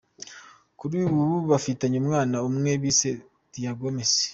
Kuri ubu bafitanye umwana umwe bise Thiago Messi.